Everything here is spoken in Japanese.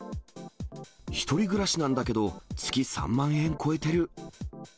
１人暮らしなんだけど、月３万円超えてる！